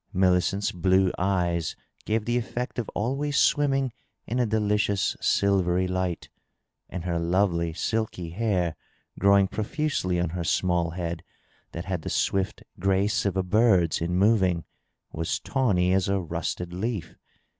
Mini cent's blue eyes gave the effect of always swimming in a delicious sil very light, and her lovely, silky hair, growing profiisely on her small head mat had the swift grace of a bi^'s in moving, was tawny as a rusted leaf.